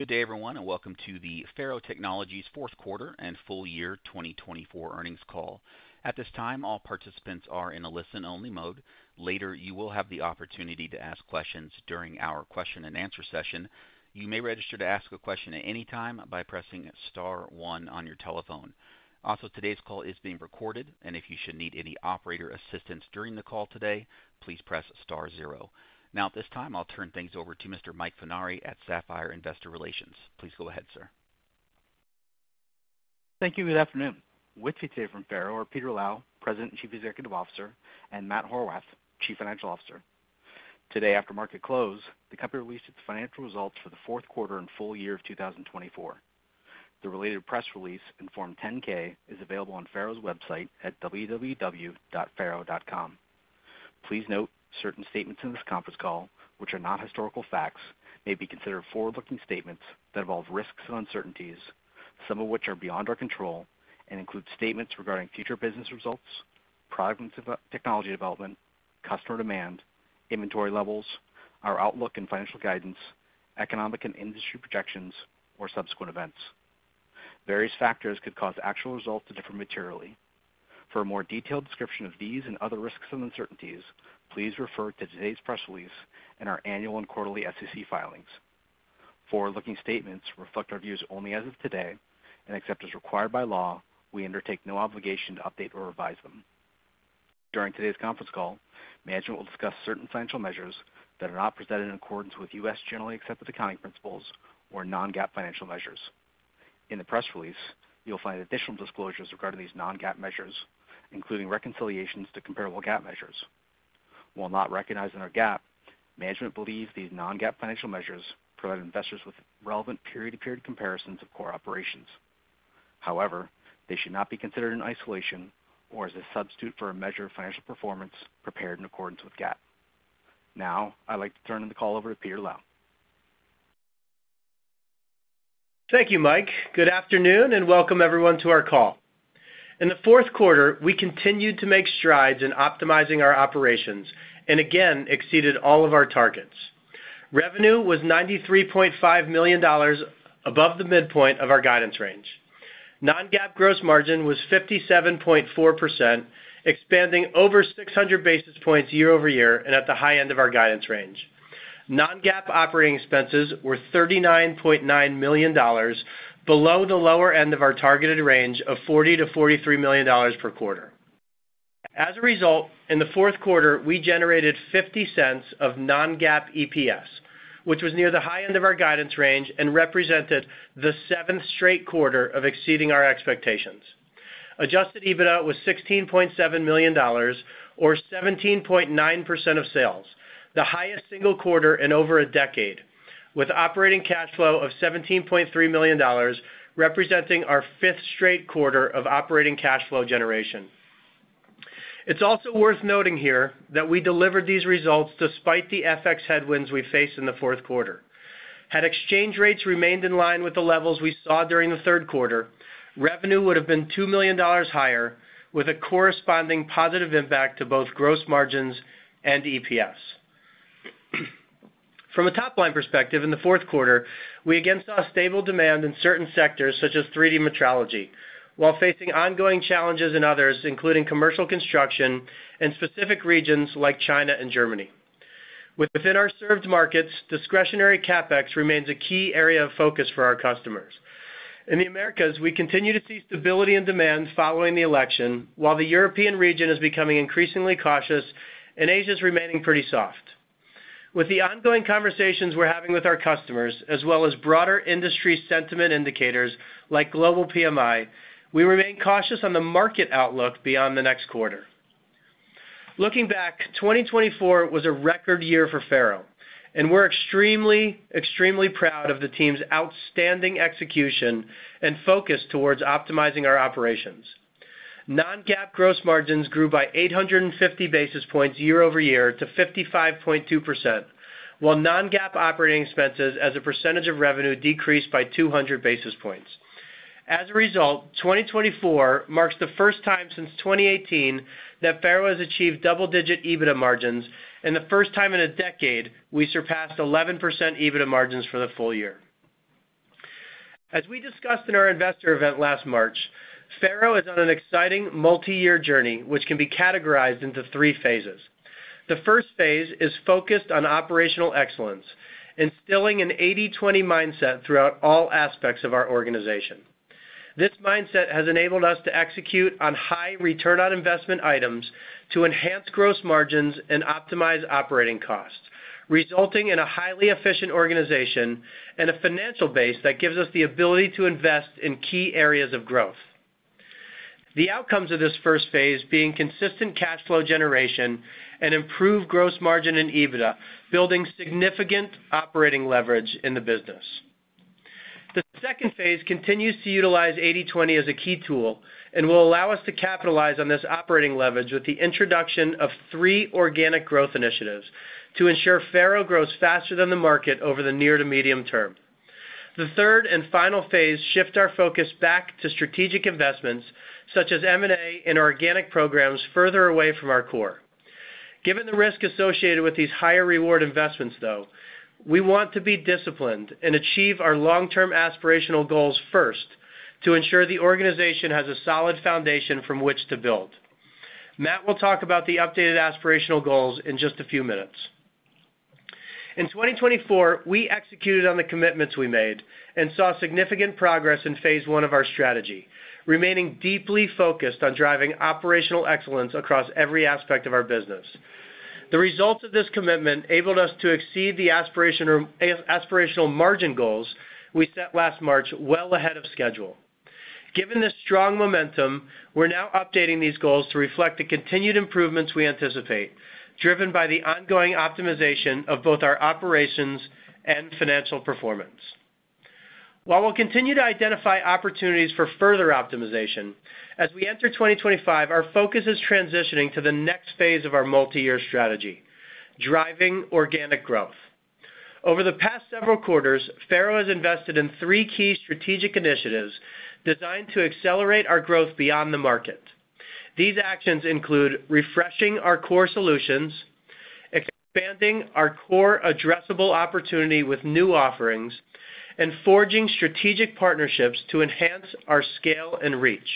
Good day, everyone, and welcome to the FARO Technologies fourth quarter and full year 2024 earnings call. At this time, all participants are in a listen-only mode. Later, you will have the opportunity to ask questions during our question-and-answer session. You may register to ask a question at any time by pressing star one on your telephone. Also, today's call is being recorded, and if you should need any operator assistance during the call today, please press star zero. Now, at this time, I'll turn things over to Mr. Mike Funari at Sapphire Investor Relations. Please go ahead, sir. Thank you. Good afternoon. With you today from FARO are Peter Lau, President and Chief Executive Officer, and Matt Horwath, Chief Financial Officer. Today, after market close, the company released its financial results for the fourth quarter and full year of 2024. The related press release, Form 10-K, is available on FARO's website at www.faro.com. Please note certain statements in this conference call, which are not historical facts, may be considered forward-looking statements that involve risks and uncertainties, some of which are beyond our control, and include statements regarding future business results, product and technology development, customer demand, inventory levels, our outlook and financial guidance, economic and industry projections, or subsequent events. Various factors could cause actual results to differ materially. For a more detailed description of these and other risks and uncertainties, please refer to today's press release and our annual and quarterly SEC filings. Forward-looking statements reflect our views only as of today, and except as required by law, we undertake no obligation to update or revise them. During today's conference call, management will discuss certain financial measures that are not presented in accordance with U.S. GAAP or non-GAAP financial measures. In the press release, you'll find additional disclosures regarding these non-GAAP measures, including reconciliations to comparable GAAP measures. While not recognized under GAAP, management believes these non-GAAP financial measures provide investors with relevant period-to-period comparisons of core operations. However, they should not be considered in isolation or as a substitute for a measure of financial performance prepared in accordance with GAAP. Now, I'd like to turn the call over to Peter Lau. Thank you, Mike. Good afternoon, and welcome, everyone, to our call. In the fourth quarter, we continued to make strides in optimizing our operations and again exceeded all of our targets. Revenue was $93.5 million above the midpoint of our guidance range. Non-GAAP gross margin was 57.4%, expanding over 600 basis points year-over-year and at the high end of our guidance range. Non-GAAP operating expenses were $39.9 million below the lower end of our targeted range of $40-$43 million per quarter. As a result, in the fourth quarter, we generated $0.50 of non-GAAP EPS, which was near the high end of our guidance range and represented the seventh straight quarter of exceeding our expectations. Adjusted EBITDA was $16.7 million, or 17.9% of sales, the highest single quarter in over a decade, with operating cash flow of $17.3 million, representing our fifth straight quarter of operating cash flow generation. It's also worth noting here that we delivered these results despite the FX headwinds we faced in the fourth quarter. Had exchange rates remained in line with the levels we saw during the third quarter, revenue would have been $2 million higher, with a corresponding positive impact to both gross margins and EPS. From a top-line perspective, in the fourth quarter, we again saw stable demand in certain sectors such as 3D metrology, while facing ongoing challenges in others, including commercial construction and specific regions like China and Germany. Within our served markets, discretionary CapEx remains a key area of focus for our customers. In the Americas, we continue to see stability in demand following the election, while the European region is becoming increasingly cautious, and Asia is remaining pretty soft. With the ongoing conversations we're having with our customers, as well as broader industry sentiment indicators like global PMI, we remain cautious on the market outlook beyond the next quarter. Looking back, 2024 was a record year for FARO, and we're extremely, extremely proud of the team's outstanding execution and focus towards optimizing our operations. Non-GAAP gross margins grew by 850 basis points year-over-year to 55.2%, while non-GAAP operating expenses as a percentage of revenue decreased by 200 basis points. As a result, 2024 marks the first time since 2018 that FARO has achieved double-digit EBITDA margins, and the first time in a decade we surpassed 11% EBITDA margins for the full year. As we discussed in our investor event last March, FARO is on an exciting multi-year journey, which can be categorized into three phases. The first phase is focused on operational excellence, instilling an 80/20 mindset throughout all aspects of our organization. This mindset has enabled us to execute on high return on investment items to enhance gross margins and optimize operating costs, resulting in a highly efficient organization and a financial base that gives us the ability to invest in key areas of growth. The outcomes of this first phase are consistent cash flow generation and improved gross margin and EBITDA, building significant operating leverage in the business. The second phase continues to utilize 80/20 as a key tool and will allow us to capitalize on this operating leverage with the introduction of three organic growth initiatives to ensure FARO grows faster than the market over the near to medium term. The third and final phase shifts our focus back to strategic investments such as M&A and organic programs further away from our core. Given the risk associated with these higher reward investments, though, we want to be disciplined and achieve our long-term aspirational goals first to ensure the organization has a solid foundation from which to build. Matt will talk about the updated aspirational goals in just a few minutes. In 2024, we executed on the commitments we made and saw significant progress in phase one of our strategy, remaining deeply focused on driving operational excellence across every aspect of our business. The results of this commitment enabled us to exceed the aspirational margin goals we set last March well ahead of schedule. Given this strong momentum, we're now updating these goals to reflect the continued improvements we anticipate, driven by the ongoing optimization of both our operations and financial performance. While we'll continue to identify opportunities for further optimization, as we enter 2025, our focus is transitioning to the next phase of our multi-year strategy: driving organic growth. Over the past several quarters, FARO has invested in three key strategic initiatives designed to accelerate our growth beyond the market. These actions include refreshing our core solutions, expanding our core addressable opportunity with new offerings, and forging strategic partnerships to enhance our scale and reach.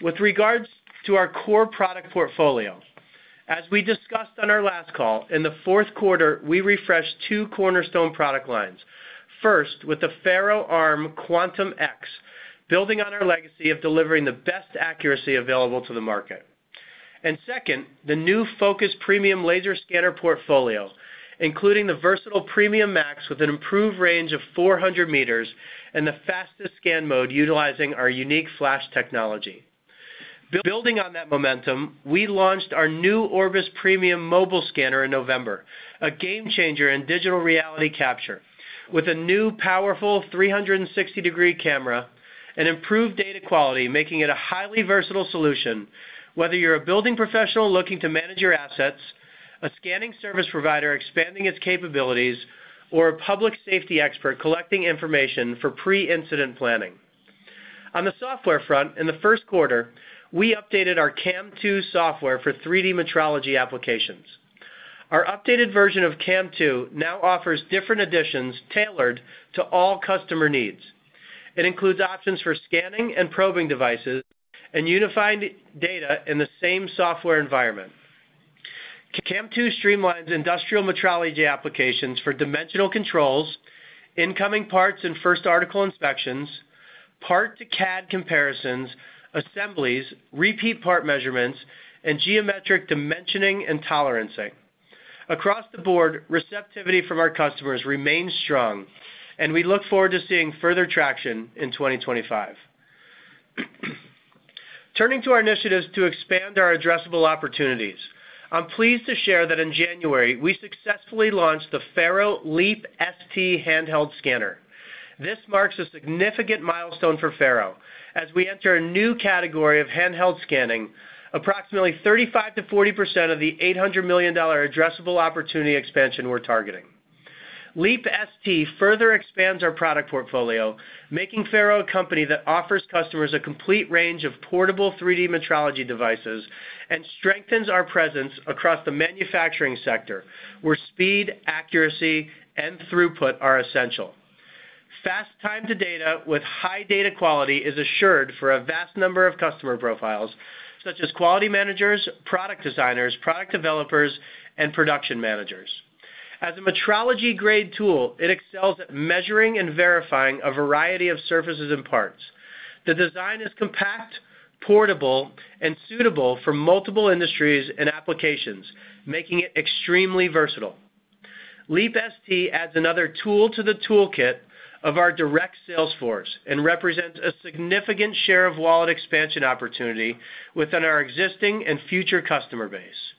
With regards to our core product portfolio, as we discussed on our last call, in the fourth quarter, we refreshed two cornerstone product lines. First, with the FAROArm Quantum X, building on our legacy of delivering the best accuracy available to the market. And second, the new Focus Premium Laser Scanner portfolio, including the versatile Premium Max with an improved range of 400 meters and the fastest scan mode utilizing our unique Flash technology. Building on that momentum, we launched our new Orbis Premium Mobile Scanner in November, a game changer in digital reality capture, with a new powerful 360-degree camera and improved data quality, making it a highly versatile solution, whether you're a building professional looking to manage your assets, a scanning service provider expanding its capabilities, or a public safety expert collecting information for pre-incident planning. On the software front, in the first quarter, we updated our CAM2 software for 3D metrology applications. Our updated version of CAM2 now offers different additions tailored to all customer needs. It includes options for scanning and probing devices and unifying data in the same software environment. CAM2 streamlines industrial metrology applications for dimensional controls, incoming parts and first article inspections, part-to-CAD comparisons, assemblies, repeat part measurements, and geometric dimensioning and tolerancing. Across the board, receptivity from our customers remains strong, and we look forward to seeing further traction in 2025. Turning to our initiatives to expand our addressable opportunities, I'm pleased to share that in January, we successfully launched the FARO Leap ST handheld scanner. This marks a significant milestone for FARO as we enter a new category of handheld scanning, approximately 35%-40% of the $800 million addressable opportunity expansion we're targeting. Leap ST further expands our product portfolio, making FARO a company that offers customers a complete range of portable 3D metrology devices and strengthens our presence across the manufacturing sector, where speed, accuracy, and throughput are essential. Fast time to data with high data quality is assured for a vast number of customer profiles, such as quality managers, product designers, product developers, and production managers. As a metrology-grade tool, it excels at measuring and verifying a variety of surfaces and parts. The design is compact, portable, and suitable for multiple industries and applications, making it extremely versatile. Leap ST adds another tool to the toolkit of our direct sales force and represents a significant share of wallet expansion opportunity within our existing and future customer base.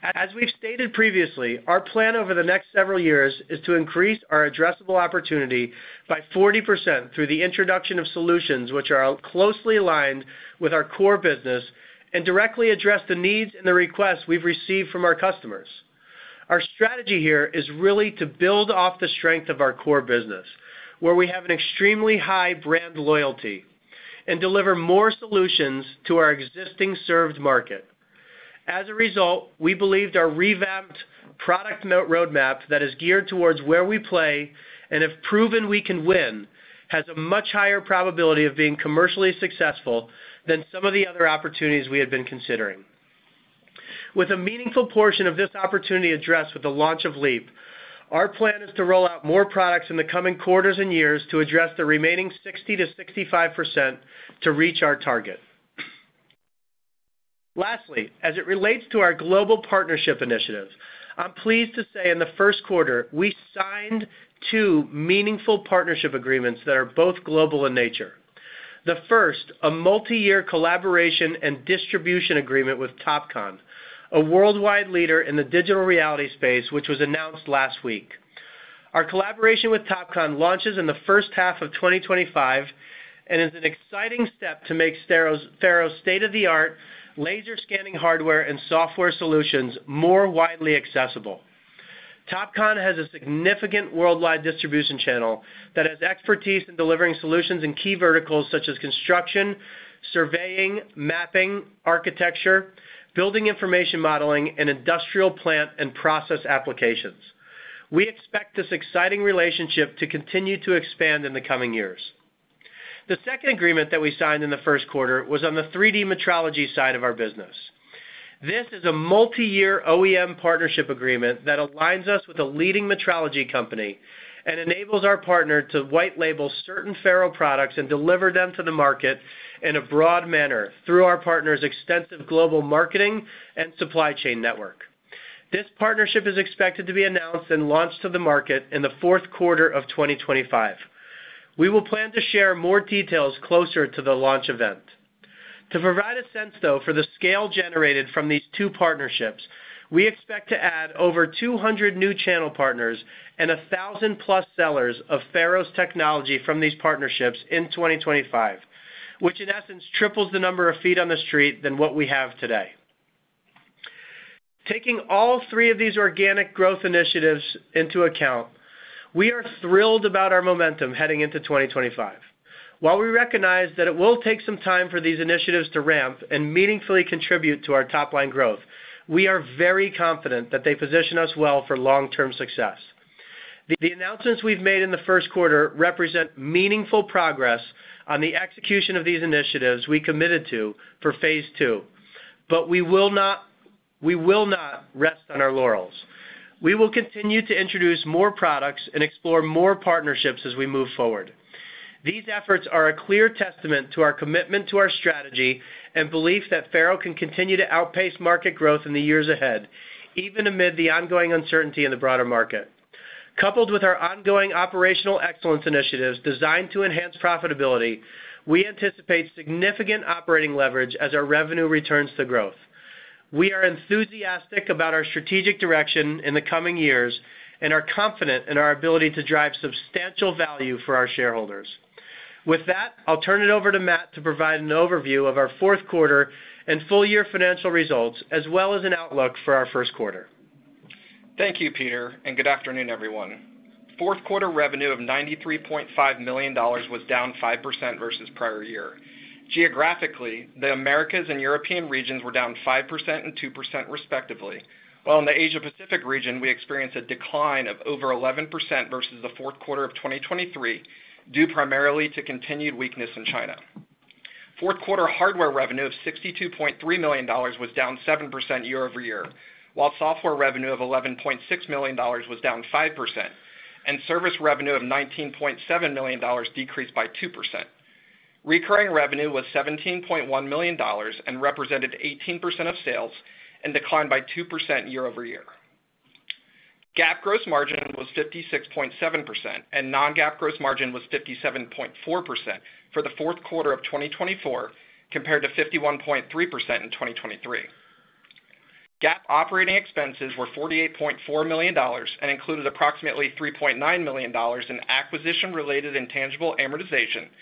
As we've stated previously, our plan over the next several years is to increase our addressable opportunity by 40% through the introduction of solutions which are closely aligned with our core business and directly address the needs and the requests we've received from our customers. Our strategy here is really to build off the strength of our core business, where we have an extremely high brand loyalty, and deliver more solutions to our existing served market. As a result, we believe our revamped product roadmap that is geared towards where we play and have proven we can win has a much higher probability of being commercially successful than some of the other opportunities we had been considering. With a meaningful portion of this opportunity addressed with the launch of Leap, our plan is to roll out more products in the coming quarters and years to address the remaining 60%-65% to reach our target. Lastly, as it relates to our global partnership initiatives, I'm pleased to say in the first quarter, we signed two meaningful partnership agreements that are both global in nature. The first, a multi-year collaboration and distribution agreement with Topcon, a worldwide leader in the digital reality space, which was announced last week. Our collaboration with Topcon launches in the first half of 2025 and is an exciting step to make FARO's state-of-the-art laser scanning hardware and software solutions more widely accessible. Topcon has a significant worldwide distribution channel that has expertise in delivering solutions in key verticals such as construction, surveying, mapping, architecture, Building Information Modeling, and industrial plant and process applications. We expect this exciting relationship to continue to expand in the coming years. The second agreement that we signed in the first quarter was on the 3D metrology side of our business. This is a multi-year OEM partnership agreement that aligns us with a leading metrology company and enables our partner to white-label certain FARO products and deliver them to the market in a broad manner through our partner's extensive global marketing and supply chain network. This partnership is expected to be announced and launched to the market in the fourth quarter of 2025. We will plan to share more details closer to the launch event. To provide a sense, though, for the scale generated from these two partnerships, we expect to add over 200 new channel partners and 1,000-plus sellers of FARO's technology from these partnerships in 2025, which in essence triples the number of feet on the street than what we have today. Taking all three of these organic growth initiatives into account, we are thrilled about our momentum heading into 2025. While we recognize that it will take some time for these initiatives to ramp and meaningfully contribute to our top-line growth, we are very confident that they position us well for long-term success. The announcements we've made in the first quarter represent meaningful progress on the execution of these initiatives we committed to for phase two, but we will not rest on our laurels. We will continue to introduce more products and explore more partnerships as we move forward. These efforts are a clear testament to our commitment to our strategy and belief that FARO can continue to outpace market growth in the years ahead, even amid the ongoing uncertainty in the broader market. Coupled with our ongoing operational excellence initiatives designed to enhance profitability, we anticipate significant operating leverage as our revenue returns to growth. We are enthusiastic about our strategic direction in the coming years and are confident in our ability to drive substantial value for our shareholders. With that, I'll turn it over to Matt to provide an overview of our fourth quarter and full-year financial results, as well as an outlook for our first quarter. Thank you, Peter, and good afternoon, everyone. Fourth quarter revenue of $93.5 million was down 5% versus prior year. Geographically, the Americas and European regions were down 5% and 2%, respectively, while in the Asia-Pacific region, we experienced a decline of over 11% versus the fourth quarter of 2023, due primarily to continued weakness in China. Fourth quarter hardware revenue of $62.3 million was down 7% year-over-year, while software revenue of $11.6 million was down 5%, and service revenue of $19.7 million decreased by 2%. Recurring revenue was $17.1 million and represented 18% of sales, and declined by 2% year-over-year. GAAP gross margin was 56.7%, and Non-GAAP gross margin was 57.4% for the fourth quarter of 2024, compared to 51.3% in 2023. GAAP operating expenses were $48.4 million and included approximately $3.9 million in acquisition-related intangible amortization and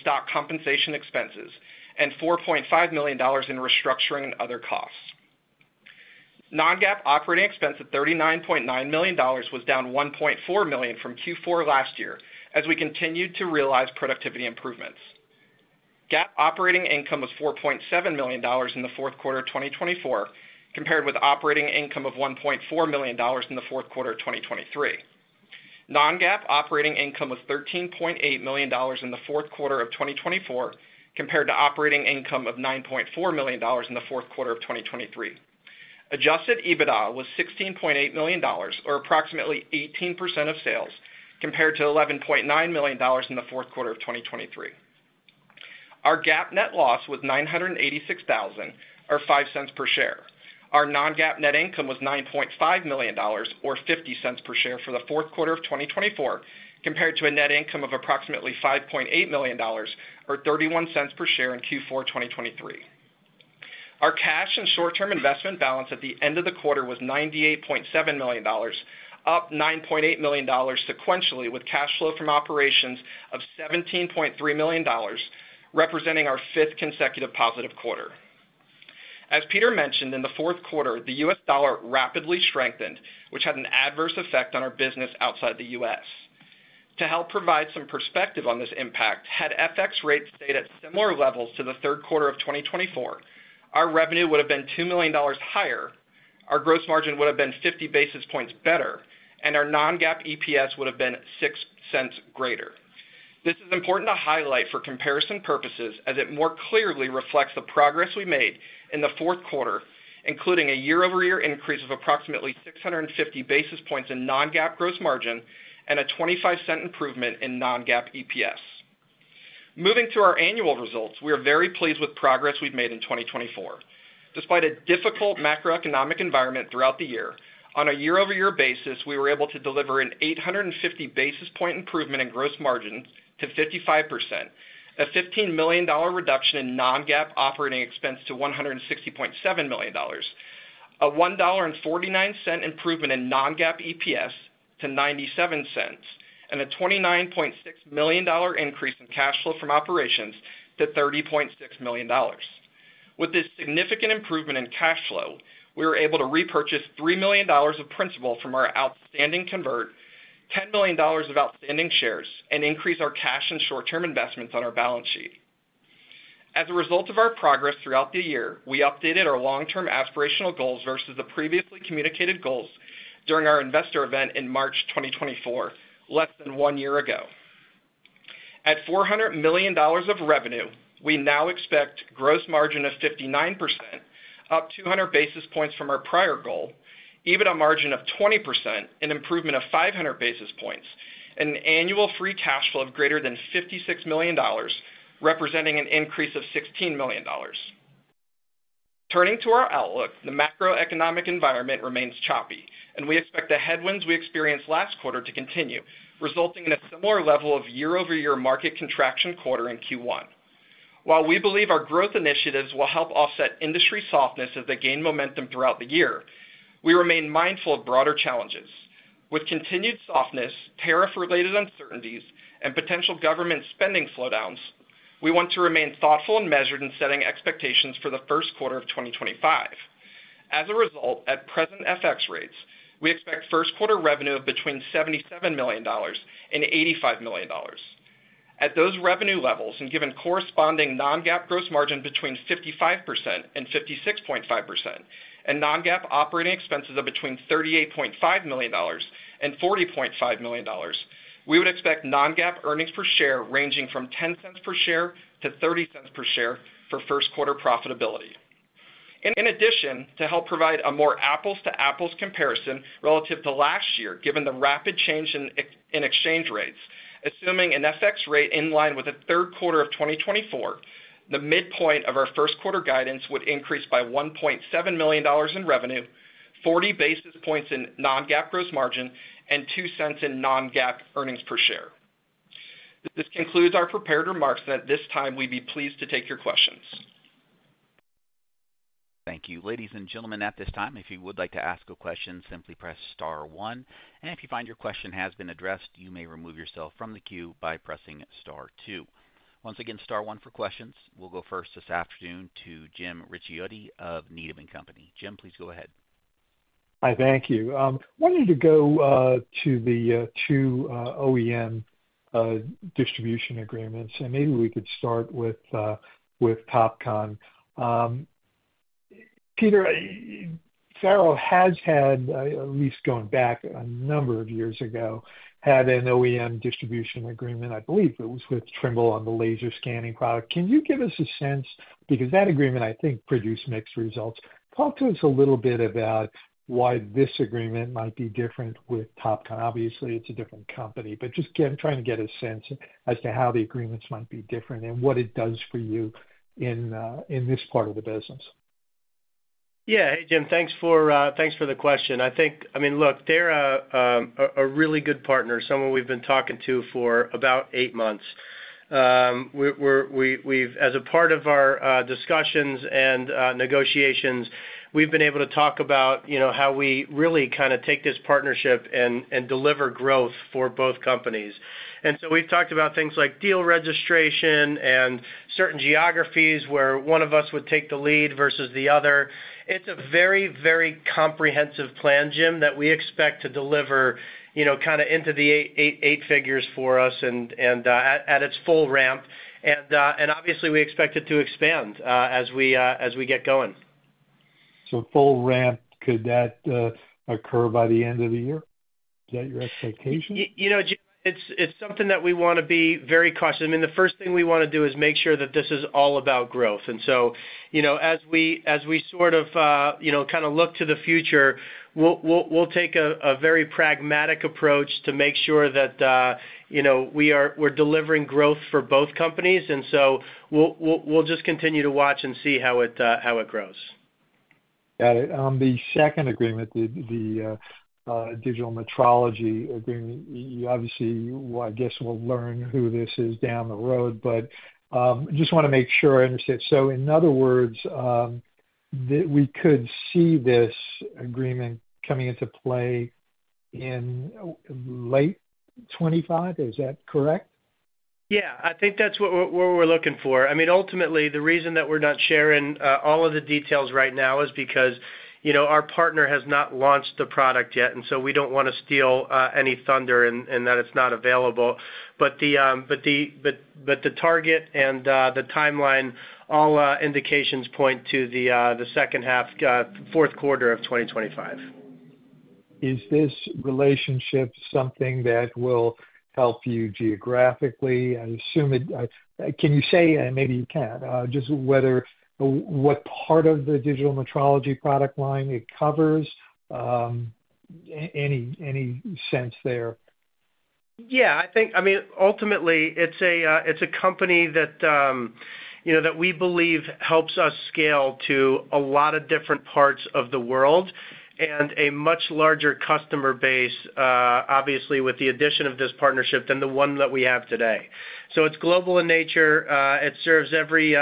stock compensation expenses, and $4.5 million in restructuring and other costs. Non-GAAP operating expense of $39.9 million was down $1.4 million from Q4 last year as we continued to realize productivity improvements. GAAP operating income was $4.7 million in the fourth quarter of 2024, compared with operating income of $1.4 million in the fourth quarter of 2023. Non-GAAP operating income was $13.8 million in the fourth quarter of 2024, compared to operating income of $9.4 million in the fourth quarter of 2023. Adjusted EBITDA was $16.8 million, or approximately 18% of sales, compared to $11.9 million in the fourth quarter of 2023. Our GAAP net loss was $986.05 per share. Our non-GAAP net income was $9.5 million, or $0.50 per share for the fourth quarter of 2024, compared to a net income of approximately $5.8 million, or $0.31 per share in Q4 2023. Our cash and short-term investment balance at the end of the quarter was $98.7 million, up $9.8 million sequentially with cash flow from operations of $17.3 million, representing our fifth consecutive positive quarter. As Peter mentioned in the fourth quarter, the U.S. dollar rapidly strengthened, which had an adverse effect on our business outside the U.S. To help provide some perspective on this impact, had FX rates stayed at similar levels to the third quarter of 2024, our revenue would have been $2 million higher, our gross margin would have been 50 basis points better, and our non-GAAP EPS would have been $0.06 greater. This is important to highlight for comparison purposes as it more clearly reflects the progress we made in the fourth quarter, including a year-over-year increase of approximately 650 basis points in non-GAAP gross margin and a $0.25 improvement in non-GAAP EPS. Moving to our annual results, we are very pleased with progress we've made in 2024. Despite a difficult macroeconomic environment throughout the year, on a year-over-year basis, we were able to deliver an 850 basis point improvement in gross margin to 55%, a $15 million reduction in non-GAAP operating expense to $160.7 million, a $1.49 improvement in non-GAAP EPS to $0.97, and a $29.6 million increase in cash flow from operations to $30.6 million. With this significant improvement in cash flow, we were able to repurchase $3 million of principal from our outstanding convert, $10 million of outstanding shares, and increase our cash and short-term investments on our balance sheet. As a result of our progress throughout the year, we updated our long-term aspirational goals versus the previously communicated goals during our investor event in March 2024, less than one year ago. At $400 million of revenue, we now expect gross margin of 59%, up 200 basis points from our prior goal, EBITDA margin of 20%, an improvement of 500 basis points, and an annual free cash flow of greater than $56 million, representing an increase of $16 million. Turning to our outlook, the macroeconomic environment remains choppy, and we expect the headwinds we experienced last quarter to continue, resulting in a similar level of year-over-year market contraction quarter in Q1. While we believe our growth initiatives will help offset industry softness as they gain momentum throughout the year, we remain mindful of broader challenges. With continued softness, tariff-related uncertainties, and potential government spending slowdowns, we want to remain thoughtful and measured in setting expectations for the first quarter of 2025. As a result, at present FX rates, we expect first quarter revenue of between $77 million and $85 million. At those revenue levels and given corresponding non-GAAP gross margin between 55% and 56.5%, and non-GAAP operating expenses of between $38.5 million and $40.5 million, we would expect non-GAAP earnings per share ranging from $0.10 per share to $0.30 per share for first quarter profitability. In addition, to help provide a more apples-to-apples comparison relative to last year, given the rapid change in exchange rates, assuming an FX rate in line with the third quarter of 2024, the midpoint of our first quarter guidance would increase by $1.7 million in revenue, 40 basis points in non-GAAP gross margin, and $0.02 in non-GAAP earnings per share. This concludes our prepared remarks, and at this time, we'd be pleased to take your questions. Thank you. Ladies and gentlemen, at this time, if you would like to ask a question, simply press star one. And if you find your question has been addressed, you may remove yourself from the queue by pressing star two. Once again, star one for questions. We'll go first this afternoon to Jim Ricchiuti of Needham & Company. Jim, please go ahead. Hi, thank you. I wanted to go to the two OEM distribution agreements, and maybe we could start with Topcon. Peter, FARO has had, at least going back a number of years ago, had an OEM distribution agreement. I believe it was with Trimble on the laser scanning product. Can you give us a sense because that agreement, I think, produced mixed results? Talk to us a little bit about why this agreement might be different with Topcon. Obviously, it's a different company, but just trying to get a sense as to how the agreements might be different and what it does for you in this part of the business. Yeah. Hey, Jim, thanks for the question. I think, I mean, look, they're a really good partner, someone we've been talking to for about eight months. As a part of our discussions and negotiations, we've been able to talk about how we really kind of take this partnership and deliver growth for both companies. And so we've talked about things like deal registration and certain geographies where one of us would take the lead versus the other. It's a very, very comprehensive plan, Jim, that we expect to deliver kind of into the eight figures for us and at its full ramp. And obviously, we expect it to expand as we get going. So full ramp, could that occur by the end of the year? Is that your expectation? You know, Jim, it's something that we want to be very cautious. I mean, the first thing we want to do is make sure that this is all about growth. And so as we sort of kind of look to the future, we'll take a very pragmatic approach to make sure that we're delivering growth for both companies. And so we'll just continue to watch and see how it grows. Got it. The second agreement, the digital metrology agreement, obviously, I guess we'll learn who this is down the road, but I just want to make sure I understand. So in other words, that we could see this agreement coming into play in late 2025? Is that correct? Yeah. I think that's what we're looking for. I mean, ultimately, the reason that we're not sharing all of the details right now is because our partner has not launched the product yet, and so we don't want to steal any thunder in that it's not available. But the target and the timeline, all indications point to the second half, fourth quarter of 2025. Is this relationship something that will help you geographically? Can you say, and maybe you can't, just what part of the digital metrology product line it covers? Any sense there? Yeah. I mean, ultimately, it's a company that we believe helps us scale to a lot of different parts of the world and a much larger customer base, obviously, with the addition of this partnership than the one that we have today. So it's global in nature. It serves every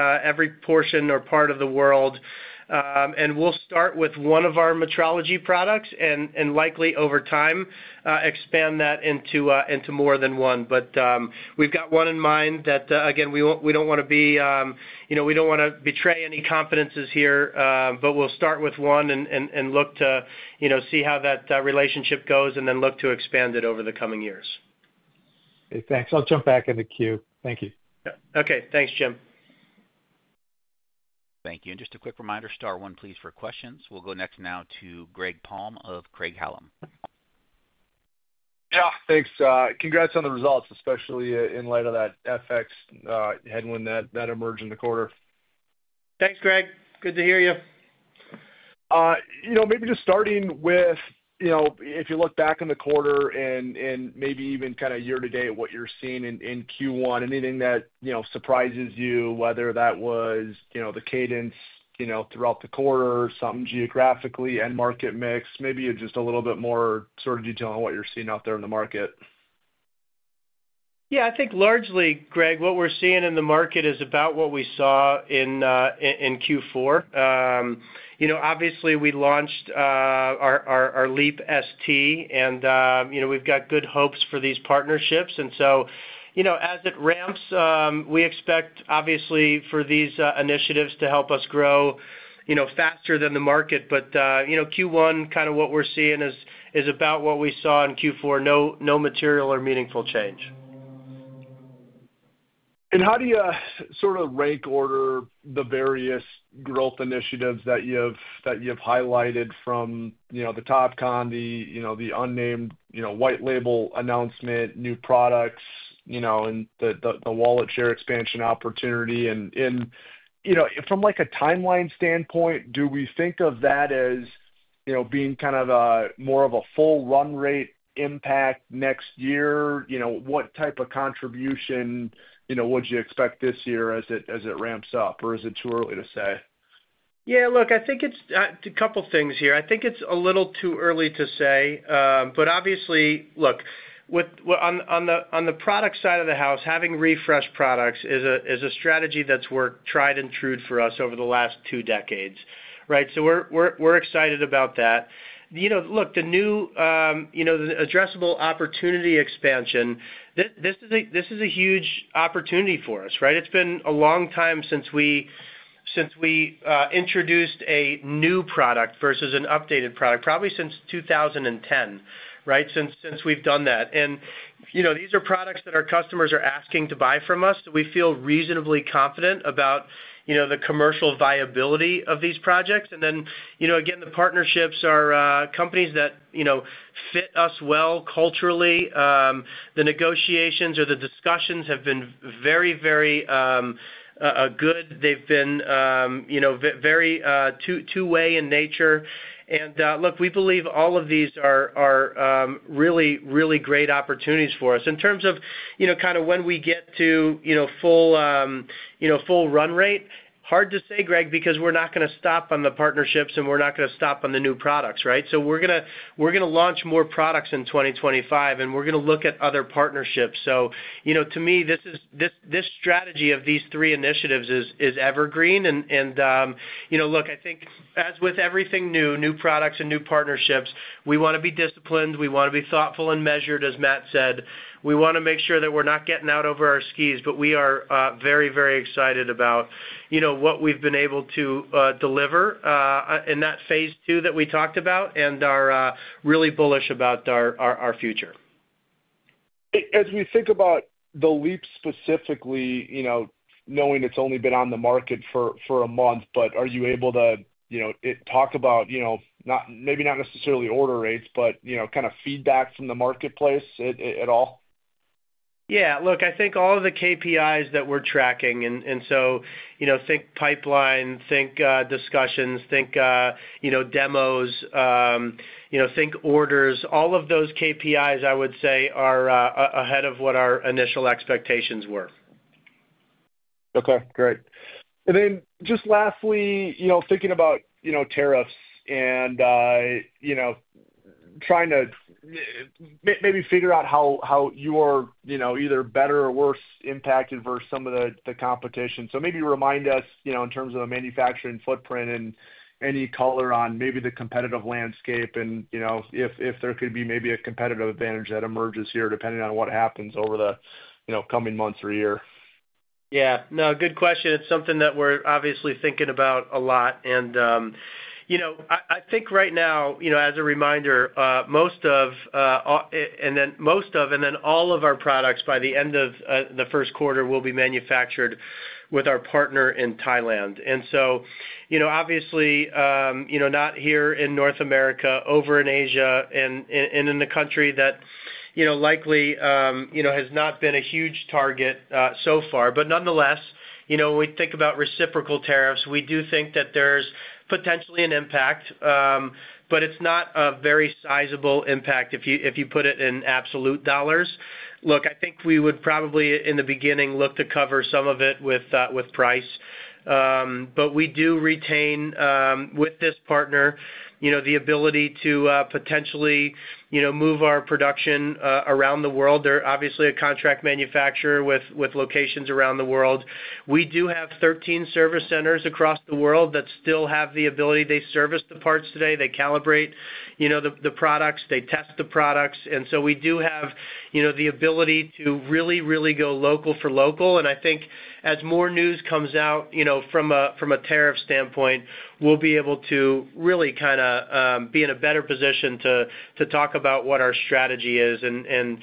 portion or part of the world. And we'll start with one of our metrology products and likely, over time, expand that into more than one. But we've got one in mind that, again, we don't want to betray any confidences here, but we'll start with one and look to see how that relationship goes and then look to expand it over the coming years. Thanks. I'll jump back in the queue. Thank you. Okay. Thanks, Jim. Thank you. And just a quick reminder, star one, please, for questions. We'll go next now to Greg Palm of Craig-Hallum. Yeah. Thanks. Congrats on the results, especially in light of that FX headwind that emerged in the quarter. Thanks, Greg. Good to hear you. Maybe just starting with, if you look back in the quarter and maybe even kind of year-to-date, what you're seeing in Q1, anything that surprises you, whether that was the cadence throughout the quarter, something geographically, and market mix, maybe just a little bit more sort of detail on what you're seeing out there in the market? Yeah. I think largely, Greg, what we're seeing in the market is about what we saw in Q4. Obviously, we launched our Leap ST, and we've got good hopes for these partnerships. And so as it ramps, we expect, obviously, for these initiatives to help us grow faster than the market. But Q1, kind of what we're seeing is about what we saw in Q4. No material or meaningful change. And how do you sort of rank order the various growth initiatives that you've highlighted from the Topcon, the unnamed white label announcement, new products, and the wallet share expansion opportunity? And from a timeline standpoint, do we think of that as being kind of more of a full run rate impact next year? What type of contribution would you expect this year as it ramps up, or is it too early to say? Yeah. Look, I think it's a couple of things here. I think it's a little too early to say. But obviously, look, on the product side of the house, having refreshed products is a strategy that's worked tried and true for us over the last two decades, right? So we're excited about that. Look, the new addressable opportunity expansion, this is a huge opportunity for us, right? It's been a long time since we introduced a new product versus an updated product, probably since 2010, right, since we've done that. And these are products that our customers are asking to buy from us, so we feel reasonably confident about the commercial viability of these projects. And then, again, the partnerships are companies that fit us well culturally. The negotiations or the discussions have been very, very good. They've been very two-way in nature. And look, we believe all of these are really, really great opportunities for us. In terms of kind of when we get to full run rate, hard to say, Greg, because we're not going to stop on the partnerships and we're not going to stop on the new products, right? So we're going to launch more products in 2025, and we're going to look at other partnerships. So to me, this strategy of these three initiatives is evergreen. And look, I think as with everything new, new products and new partnerships, we want to be disciplined. We want to be thoughtful and measured, as Matt said. We want to make sure that we're not getting out over our skis, but we are very, very excited about what we've been able to deliver in that phase two that we talked about and are really bullish about our future. As we think about the Leap ST specifically, knowing it's only been on the market for a month, but are you able to talk about maybe not necessarily order rates, but kind of feedback from the marketplace at all? Yeah. Look, I think all of the KPIs that we're tracking, and so think pipeline, think discussions, think demos, think orders, all of those KPIs, I would say, are ahead of what our initial expectations were. Okay. Great. And then just lastly, thinking about tariffs and trying to maybe figure out how you're either better or worse impacted versus some of the competition. So maybe remind us in terms of the manufacturing footprint and any color on maybe the competitive landscape and if there could be maybe a competitive advantage that emerges here depending on what happens over the coming months or year. Yeah. No, good question. It's something that we're obviously thinking about a lot. And I think right now, as a reminder, most of, and then all of our products by the end of the first quarter will be manufactured with our partner in Thailand. And so, obviously, not here in North America, over in Asia and in a country that likely has not been a huge target so far. But nonetheless, when we think about reciprocal tariffs, we do think that there's potentially an impact, but it's not a very sizable impact if you put it in absolute dollars. Look, I think we would probably in the beginning look to cover some of it with price. But we do retain with this partner the ability to potentially move our production around the world. They're obviously a contract manufacturer with locations around the world. We do have 13 service centers across the world that still have the ability. They service the parts today. They calibrate the products. They test the products. And so we do have the ability to really, really go local for local. And I think as more news comes out from a tariff standpoint, we'll be able to really kind of be in a better position to talk about what our strategy is. And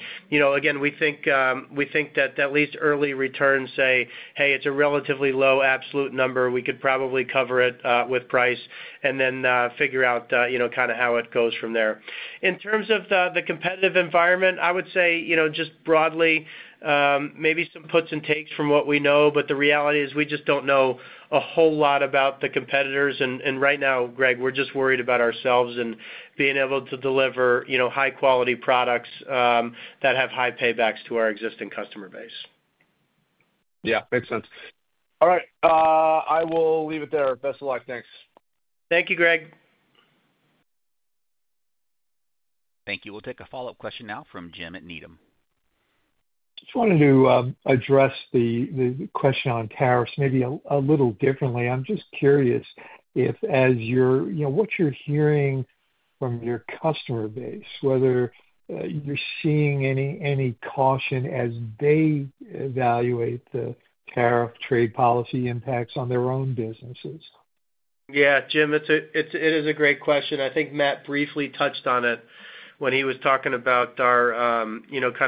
again, we think that at least early returns say, "Hey, it's a relatively low absolute number. We could probably cover it with price," and then figure out kind of how it goes from there. In terms of the competitive environment, I would say just broadly, maybe some puts and takes from what we know, but the reality is we just don't know a whole lot about the competitors. And right now, Greg, we're just worried about ourselves and being able to deliver high-quality products that have high paybacks to our existing customer base. Yeah. Makes sense. All right. I will leave it there. Best of luck. Thanks. Thank you, Greg. Thank you. We'll take a follow-up question now from Jim at Needham. Just wanted to address the question on tariffs maybe a little differently. I'm just curious if as you're what you're hearing from your customer base, whether you're seeing any caution as they evaluate the tariff trade policy impacts on their own businesses. Yeah. Jim, it is a great question. I think Matt briefly touched on it when he was talking about kind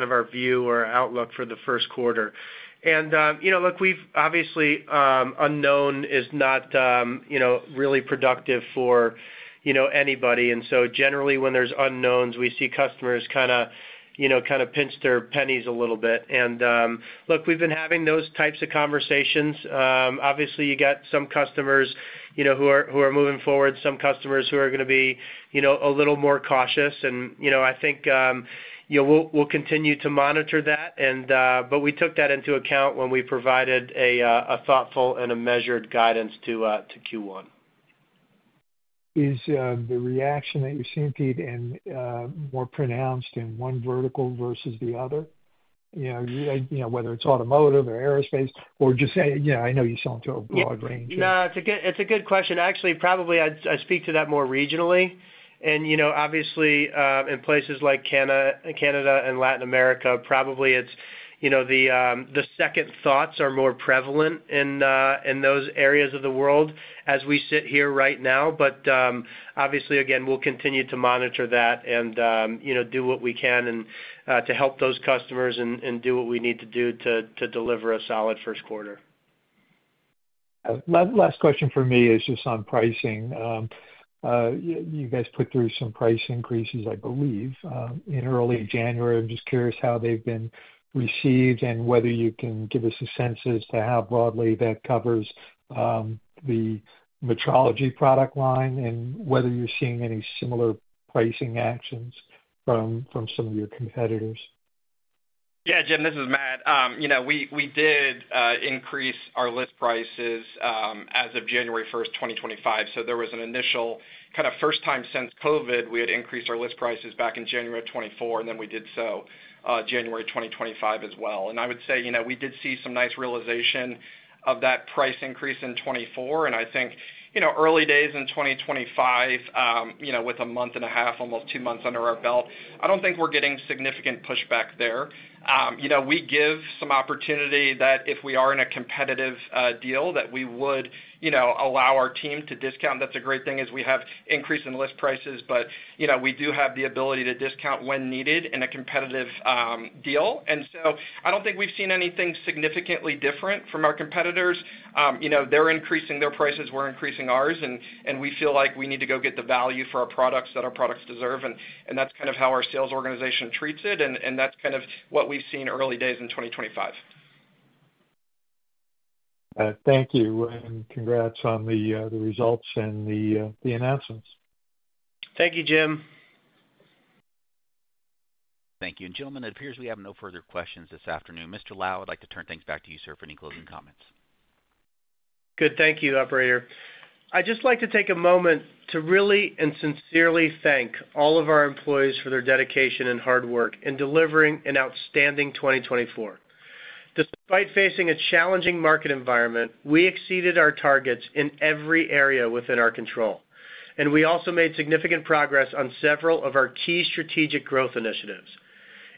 of our view or outlook for the first quarter, and look, we've obviously unknown is not really productive for anybody, and so generally, when there's unknowns, we see customers kind of pinch their pennies a little bit, and look, we've been having those types of conversations. Obviously, you got some customers who are moving forward, some customers who are going to be a little more cautious, and I think we'll continue to monitor that. We took that into account when we provided a thoughtful and a measured guidance to Q1. Is the reaction that you're seeing, Pete, more pronounced in one vertical versus the other, whether it's automotive or aerospace or just say, I know you sell into a broad range? No, it's a good question. Actually, probably I speak to that more regionally and obviously, in places like Canada and Latin America, probably the second thoughts are more prevalent in those areas of the world as we sit here right now. Obviously, again, we'll continue to monitor that and do what we can to help those customers and do what we need to do to deliver a solid first quarter. Last question for me is just on pricing. You guys put through some price increases, I believe, in early January. I'm just curious how they've been received and whether you can give us a sense as to how broadly that covers the metrology product line and whether you're seeing any similar pricing actions from some of your competitors. Yeah. Jim, this is Matt. We did increase our list prices as of January 1st, 2025. So there was an initial kind of first time since COVID, we had increased our list prices back in January of 2024, and then we did so January 2025 as well. And I would say we did see some nice realization of that price increase in 2024. And I think early days in 2025, with a month and a half, almost two months under our belt, I don't think we're getting significant pushback there. We give some opportunity that if we are in a competitive deal that we would allow our team to discount. That's a great thing is we have increase in list prices, but we do have the ability to discount when needed in a competitive deal. And so I don't think we've seen anything significantly different from our competitors. They're increasing their prices. We're increasing ours. And we feel like we need to go get the value for our products that our products deserve. And that's kind of how our sales organization treats it. And that's kind of what we've seen early days in 2025. Thank you. And congrats on the results and the announcements. Thank you, Jim. Thank you. And gentlemen, it appears we have no further questions this afternoon. Mr. Lau, I'd like to turn things back to you, sir, for any closing comments. Good. Thank you, Operator. I'd just like to take a moment to really and sincerely thank all of our employees for their dedication and hard work in delivering an outstanding 2024. Despite facing a challenging market environment, we exceeded our targets in every area within our control, and we also made significant progress on several of our key strategic growth initiatives.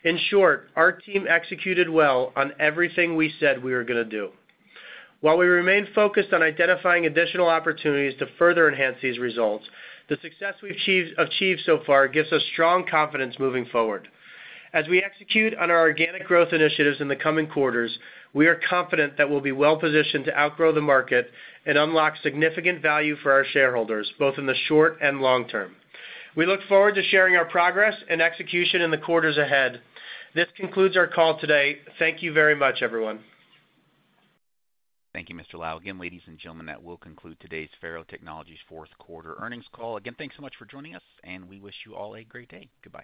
In short, our team executed well on everything we said we were going to do. While we remain focused on identifying additional opportunities to further enhance these results, the success we've achieved so far gives us strong confidence moving forward. As we execute on our organic growth initiatives in the coming quarters, we are confident that we'll be well-positioned to outgrow the market and unlock significant value for our shareholders, both in the short and long term. We look forward to sharing our progress and execution in the quarters ahead. This concludes our call today. Thank you very much, everyone. Thank you, Mr. Lau. Again, ladies and gentlemen, that will conclude today's FARO Technologies fourth quarter earnings call. Again, thanks so much for joining us, and we wish you all a great day. Goodbye.